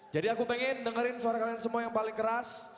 jadi aku pengen dengerin suara kalian semua yang paling keras